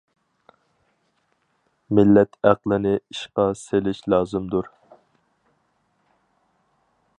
مىللەت ئەقلىنى ئىشقا سېلىش لازىمدۇر.